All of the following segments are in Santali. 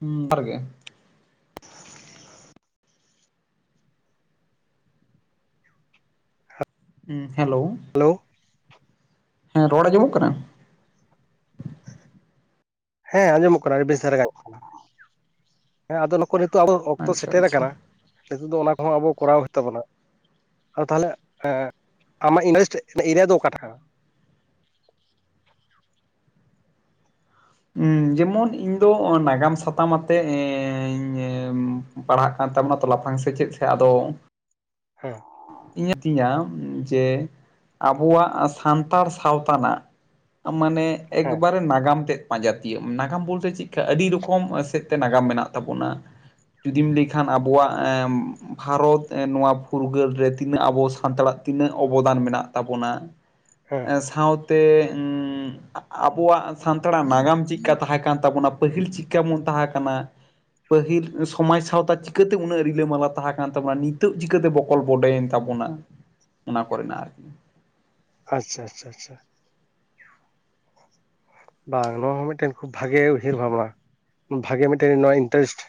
[unintelligible] ᱜᱮ ᱦᱸᱮ ᱦᱮᱞᱳ ᱦᱮᱞᱳ ᱦᱮᱸ ᱨᱚᱲ ᱟᱡᱸᱚᱢᱚᱜ ᱠᱟᱱᱟ ᱦᱮᱸ ᱟᱸᱡᱚᱢᱚᱜ ᱠᱟᱱᱟ ᱟᱹᱰᱤ ᱵᱮᱥ ᱫᱷᱟᱨᱟ ᱜᱟᱱᱚᱜ ᱠᱟᱱᱟ ᱦᱮᱸ ᱟᱫᱚ ᱱᱩᱠᱩ ᱱᱤᱛᱚᱜ ᱟᱵᱚ ᱚᱠᱛᱚ ᱟᱪᱪᱷᱟ ᱥᱮᱴᱮᱨ ᱟᱪᱪᱷᱟ ᱟᱠᱟᱱᱟ᱾ ᱱᱤᱛᱚᱜ ᱫᱚ ᱚᱱᱟ ᱠᱚᱦᱚᱸ ᱟᱵᱚ ᱠᱚᱨᱟᱣ ᱦᱩᱭᱩᱜ ᱛᱟᱵᱚᱱᱟ᱾ ᱟᱫᱚ ᱛᱟᱦᱚᱞᱮ ᱟᱢᱟᱜ ᱤᱱᱰᱮᱥᱴ ᱮᱨᱤᱭᱟ ᱫᱚ ᱚᱠᱟᱴᱟᱜ ᱠᱟᱱᱟ? ᱦᱸᱮ ᱡᱮᱢᱚᱱ ᱤᱧ ᱫᱚ ᱱᱟᱜᱟᱢ ᱥᱟᱛᱟᱢ ᱟᱛᱮᱜ ᱮᱧᱻ ᱯᱟᱲᱦᱟᱜ ᱠᱟᱱ ᱛᱟᱵᱚᱱᱟ ᱛᱚ ᱞᱟᱯᱷᱟᱝ ᱥᱮᱪᱮᱫ ᱥᱮᱫ ᱟᱫᱚ ᱦᱮᱸ ᱤᱧᱟᱹᱜ ᱛᱤᱧᱟ ᱡᱮ ᱟᱵᱚᱣᱟᱜ ᱥᱟᱱᱛᱟᱲ ᱥᱟᱶᱛᱟ ᱨᱮᱱᱟᱜ, ᱢᱟᱱᱮ ᱦᱮᱸ ᱮᱠᱵᱟᱨᱮ ᱱᱟᱜᱟᱢ ᱛᱮᱫ ᱡᱟᱹᱛᱤᱭᱚ ᱱᱟᱜᱟᱢ ᱵᱚᱞᱛᱮ ᱪᱮᱫ ᱟᱹᱰᱤ ᱨᱚᱠᱚᱢ ᱥᱮᱫ ᱛᱮ ᱱᱟᱜᱟᱢ ᱢᱮᱱᱟᱜ ᱛᱟᱵᱚᱱᱟ᱾ ᱡᱩᱫᱤᱢ ᱞᱟᱹᱭᱠᱷᱟᱱ ᱟᱵᱚᱣᱟᱜ ᱵᱷᱟᱨᱚᱛ ᱱᱚᱣᱟ ᱯᱷᱩᱨᱜᱟᱹᱞ ᱨᱮ ᱛᱤᱱᱟᱹᱜ ᱟᱵᱚ ᱥᱟᱱᱛᱟᱲᱟᱜ ᱛᱤᱱᱟᱹᱜ ᱚᱵᱚᱫᱟᱱ ᱢᱮᱱᱟᱜ ᱛᱟᱵᱚᱱᱟ᱾ ᱦᱮᱸ ᱥᱟᱶᱛᱮ ᱟᱵᱚᱣᱟᱜ ᱥᱟᱱᱛᱟᱲᱟᱜ ᱱᱟᱜᱟᱢ ᱪᱮᱫᱠᱟ ᱛᱟᱦᱮᱸ ᱠᱟᱱ ᱛᱟᱵᱚᱱᱟ ᱯᱟᱹᱦᱤᱞ ᱪᱤᱫᱠᱟ ᱵᱚᱱ ᱛᱟᱦᱮᱸ ᱠᱟᱱᱟ, ᱯᱟᱹᱦᱤᱞ ᱥᱚᱢᱟᱡᱽ ᱥᱟᱶᱛᱟ ᱪᱤᱠᱟᱹᱛᱮ ᱩᱱᱟᱹᱜ ᱨᱤᱞᱟᱹᱢᱟᱞᱟ ᱛᱟᱦᱮᱸ ᱠᱟᱱ ᱛᱟᱵᱚᱱᱟ ᱱᱤᱛᱚᱜ ᱪᱤᱠᱟᱹᱛᱮ ᱵᱚᱠᱚᱞ ᱵᱚᱰᱮᱭᱮᱱ ᱛᱟᱵᱚᱱᱟ ᱚᱱᱟ ᱠᱚᱨᱮᱱᱟᱜ ᱟᱨᱠᱤ᱾ ᱟᱪᱪᱷᱟ ᱟᱪᱷᱟ ᱟᱪᱪᱷᱟ ᱵᱟᱝ ᱱᱚᱣᱟ ᱦᱚᱸ ᱢᱤᱫᱴᱮᱱ ᱠᱷᱩᱵ ᱵᱷᱟᱜᱮ ᱩᱭᱦᱟᱹᱨ ᱵᱷᱟᱵᱽᱱᱟ᱾ ᱵᱷᱟᱜᱮ ᱢᱤᱫᱴᱮᱱ ᱱᱚᱣᱟ ᱤᱱᱴᱟᱨᱮᱥᱴ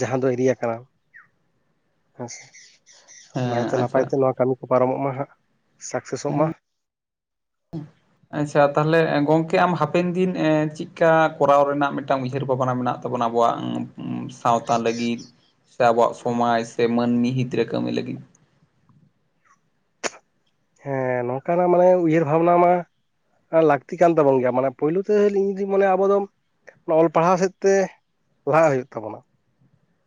ᱡᱟᱦᱟᱸ ᱫᱚ ᱮᱨᱤᱭᱟ ᱠᱟᱱᱟ ᱦᱮᱸᱥᱮ᱾ ᱟᱫᱚ ᱦᱮᱸ ᱱᱟᱭᱛᱮ ᱟᱪᱪᱷᱟ ᱱᱟᱯᱟᱭᱛᱮ ᱱᱚᱣᱟ ᱠᱟᱹᱢᱤ ᱠᱚ ᱯᱟᱨᱚᱢᱚᱜ ᱢᱟ ᱦᱟᱸᱜ ᱥᱟᱠᱥᱮᱥᱚᱜ ᱢᱟ᱾ [unintelligible] ᱟᱪᱪᱷᱟ ᱛᱟᱦᱞᱮ ᱜᱚᱝᱠᱮ ᱟᱢ ᱦᱟᱯᱮᱱ ᱫᱤᱱ ᱮᱸ ᱪᱮᱫᱞᱮᱠᱟ ᱠᱚᱨᱟᱣ ᱨᱮᱱᱟᱜ ᱢᱤᱫᱴᱟᱝ ᱩᱭᱦᱟᱹᱨ ᱵᱷᱟᱵᱽᱱᱟ ᱢᱮᱱᱟᱜ ᱛᱟᱵᱚᱱᱟ ᱟᱵᱚᱣᱟᱜ ᱥᱟᱶᱛᱟ ᱞᱟᱹᱜᱤᱫ ᱥᱮ ᱟᱵᱚᱣᱟᱜ ᱥᱚᱢᱟᱡᱽ ᱥᱮ ᱢᱟᱹᱱᱢᱤ ᱦᱤᱛ ᱨᱮ ᱠᱟᱹᱢᱤ ᱞᱟᱹᱜᱤᱫ᱾ ᱦᱮᱸ ᱱᱚᱝᱠᱟᱱᱟᱜ ᱢᱟᱱᱮ ᱩᱭᱦᱟᱹᱨ ᱵᱷᱟᱵᱽᱱᱟ ᱢᱟ ᱞᱟᱠᱛᱤ ᱠᱟᱱ ᱛᱟᱵᱚᱱ ᱜᱮᱭᱟ ᱢᱟᱱᱮ ᱯᱳᱭᱞᱳ ᱛᱮᱧ ᱡᱩᱫᱤ ᱢᱟᱱᱮ ᱟᱵᱚ ᱫᱚ, ᱚᱱᱟ ᱚᱞ ᱯᱟᱲᱦᱟᱣ ᱥᱮᱫ ᱛᱮ ᱞᱟᱦᱟᱜ ᱦᱩᱭᱩᱜ ᱛᱟᱵᱚᱱᱟ᱾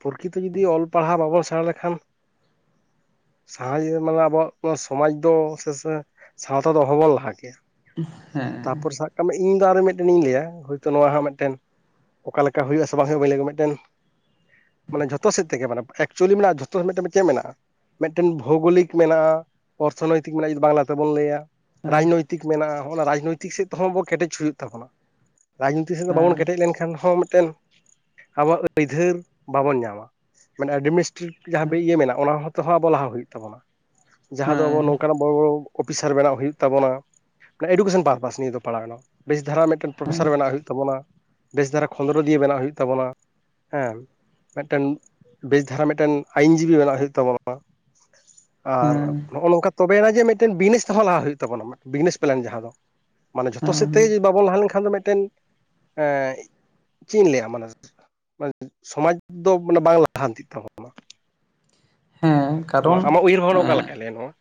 ᱯᱨᱚᱠᱤᱛᱤ ᱡᱩᱫᱤ ᱚᱞ ᱯᱟᱲᱦᱟᱣ ᱵᱟᱵᱚᱱ ᱥᱮᱬᱟ ᱞᱮᱠᱷᱟᱱ ᱥᱟᱦᱟ [unintelligible] ᱢᱟᱱᱮ ᱟᱵᱚᱣᱟᱜ ᱥᱚᱢᱟᱡ ᱫᱚ ᱥᱮᱥᱮ ᱥᱟᱶᱛᱟ ᱫᱚ ᱚᱦᱚᱚᱵᱚᱱ ᱞᱟᱦᱟ ᱠᱮᱭᱟ᱾ ᱦᱮᱸ ᱛᱟᱯᱚᱨ ᱥᱟᱵ ᱤᱧ ᱫᱚ ᱟᱨ ᱢᱤᱫᱴᱮᱱᱤᱧ ᱞᱟᱹᱭᱟ ᱦᱳᱭᱛᱚ ᱱᱚᱣᱟ ᱦᱚ ᱢᱤᱫᱴᱮᱱ ᱚᱠᱟ ᱞᱮᱠᱟ ᱦᱩᱭᱩᱜᱼᱟ ᱥᱮ ᱵᱟᱝ ᱦᱩᱭᱩᱜᱼᱟ ᱵᱟᱹᱧ ᱢᱤᱫᱴᱮᱱ ᱢᱟᱱᱮ ᱡᱷᱚᱛᱚ ᱥᱮᱫ ᱛᱮᱜᱮ ᱮᱠᱪᱩᱭᱮᱞᱤ ᱢᱮᱱᱟᱜᱼᱟ ᱡᱷᱚᱛᱚ ᱪᱮᱫ ᱢᱮᱱᱟᱜᱼᱟ? ᱢᱤᱫᱴᱮᱱ ᱵᱷᱳᱜᱳᱚᱞᱤᱠ ᱢᱮᱱᱟᱜᱼᱟ, ᱚᱨᱛᱷᱚᱱᱳᱭᱛᱤᱠ ᱢᱮᱱᱟᱜᱼᱟ ᱡᱩᱫᱤ ᱵᱟᱝᱞᱟ ᱛᱮᱵᱚᱱ ᱞᱟᱹᱭᱟ᱾ ᱦᱮᱸ ᱨᱟᱡᱽᱱᱳᱭᱛᱤᱠ ᱢᱮᱱᱟᱜᱼᱟ ᱚᱱᱟ ᱨᱟᱡᱽᱱᱳᱭᱛᱤᱠ ᱥᱮᱫ ᱛᱮᱦᱚᱸ ᱟ ᱵᱚ ᱠᱮᱴᱮᱡ ᱦᱩᱭᱩᱜ ᱛᱟᱵᱚᱱᱟ᱾ ᱨᱟᱡᱽᱱᱤᱛᱤ ᱥᱮᱫ ᱫᱚ ᱦᱮᱸ ᱵᱟᱵᱚᱱ ᱠᱮᱴᱮᱡ ᱞᱮᱱᱠᱷᱟᱱ ᱦᱚᱸ ᱢᱤᱫᱴᱮᱱ ᱟᱵᱚᱣᱟᱜ ᱟᱹᱭᱫᱟᱹᱨ ᱵᱟᱵᱚᱱ ᱧᱟᱢᱟ ᱢᱟᱱᱮ ᱮᱰᱢᱤᱱᱤᱥᱴᱨᱮᱴᱤᱵᱷ ᱡᱟᱦᱟᱸ ᱤᱭᱟᱹ ᱢᱮᱱᱟᱜᱼᱟ ᱚᱱᱟ ᱦᱚᱸᱚᱛᱦᱚᱸ ᱟᱵᱚ ᱞᱟᱦᱟ ᱦᱩᱭᱩᱜ ᱛᱟᱵᱚᱱᱟ᱾ ᱡᱟᱦᱟᱸ ᱫᱚ ᱟᱵᱚ ᱦᱮᱸ ᱱᱚᱝᱠᱟᱱᱟᱜ ᱵᱚᱲᱟ ᱵᱚᱲᱚ ᱚᱯᱷᱤᱥᱟᱨ ᱵᱮᱱᱟᱜ ᱦᱩᱭᱩᱜ ᱛᱟᱵᱚᱱᱟ ᱮᱰᱩᱠᱮᱥᱚᱱ ᱯᱟᱨᱯᱟᱥ ᱱᱤᱭᱟᱹ ᱫᱚ ᱯᱟᱲᱟᱣᱱᱟ᱾ ᱵᱮᱥ ᱫᱷᱟᱨᱟ ᱢᱤᱫᱴᱮᱱ ᱯᱨᱚᱯᱷᱮᱥᱟᱨ ᱵᱮᱱᱟᱜ ᱦᱩᱭᱩᱜ ᱛᱟᱵᱚᱱᱟ᱾ ᱵᱮᱥ ᱫᱷᱟᱨᱟ ᱠᱷᱚᱸᱫᱽᱨᱚ ᱫᱤᱭᱮ ᱵᱮᱱᱟᱜᱣ ᱦᱩᱭᱩᱜ ᱛᱟᱵᱚᱱᱟ ᱦᱮᱸ᱾ ᱢᱤᱫᱴᱮᱱ ᱵᱮᱥ ᱫᱷᱟᱨᱟ ᱢᱤᱫᱴᱮᱱ ᱟᱭᱤᱱ ᱡᱤᱵᱤ ᱵᱮᱱᱟᱜ ᱦᱩᱭᱩᱜᱭ ᱛᱟᱵᱚᱱᱟ᱾ ᱟᱨ ᱦᱮᱸ ᱱᱚᱜᱼᱚ ᱱᱚᱝᱠᱟ ᱛᱚᱵᱮᱱᱟ ᱡᱮ ᱢᱤᱫᱴᱮᱱ ᱵᱤᱡᱱᱮᱥ ᱛᱮᱦᱚᱸ ᱞᱟᱦᱟ ᱦᱩᱭᱩᱜ ᱛᱟᱵᱚᱱᱟ ᱵᱤᱡᱽᱱᱮᱥ ᱯᱞᱮᱱ ᱡᱟᱦᱟᱸ ᱫᱚ᱾ ᱢᱟᱱᱮ ᱡᱷᱚᱛᱚ ᱥᱮᱫ ᱦᱮᱸ ᱛᱮ ᱡᱩᱫᱤ ᱵᱟᱵᱚᱱ ᱞᱟᱦᱟ ᱞᱮᱱᱠᱷᱟᱱ ᱫᱚ ᱢᱤᱫᱴᱮᱱ ᱮᱸ ᱪᱮᱫ ᱤᱧ ᱞᱟᱹᱭᱟ ᱢᱟᱱᱮ ᱥᱚᱢᱟᱡᱽ ᱫᱚ ᱢᱟᱱᱮ ᱵᱟᱝ ᱞᱟᱦᱟᱱᱛᱤᱜ ᱛᱟᱵᱚᱱᱟ᱾ ᱦᱮᱸ ᱠᱟᱨᱚᱱ ᱟᱢᱟᱜ ᱩᱭᱦᱟᱹᱨ ᱵᱷᱟᱵᱽᱱᱟ ᱚᱠᱟ ᱮᱸᱜ ᱞᱮᱠᱟᱭ ᱞᱟᱹᱭᱟ ᱱᱚᱣᱟ